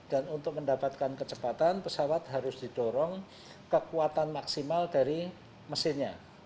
dan untuk mendapatkan kecepatan pesawat harus didorong kekuatan maksimal dari mesinnya